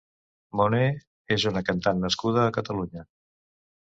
Mone és una cantant nascuda a Catalunya.